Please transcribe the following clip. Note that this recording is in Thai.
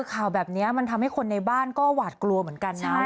ข่าวแบบนี้มันทำให้คนในบ้านก็หวาดกลัวเหมือนกันนะ